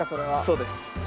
そうです。